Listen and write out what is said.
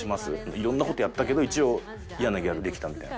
いろんな事やったけど一応嫌なギャルできたみたいな。